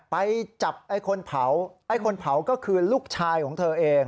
ไปจับไอ้คนเผาไอ้คนเผาก็คือลูกชายของเธอเอง